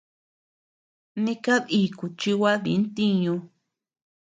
Ni kad iku chi gua di ntiñu.